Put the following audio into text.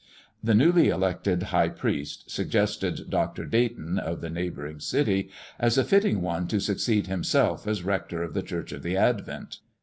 The newly elected high priest suggested Dr. Dayton, of the neighboring city, as a fitting one to succeed himself as rector of the Church of the Advent.